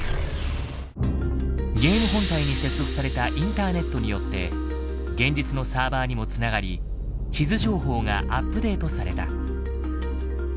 ゲーム本体に接続されたインターネットによって現実のサーバーにも繋がり地図情報がアップデートされた。